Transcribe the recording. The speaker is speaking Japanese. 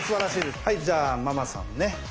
じゃあママさんね。